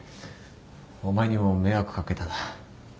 お前にも迷惑かけたな。